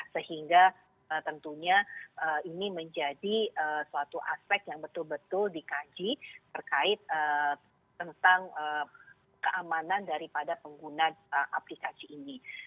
sehingga tentunya ini menjadi suatu aspek yang betul betul dikaji terkait tentang keamanan daripada pengguna aplikasi ini